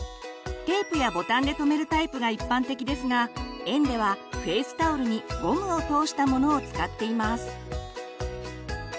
テープやボタンで留めるタイプが一般的ですが園ではフェイスタオルにゴムを通したものを使っています。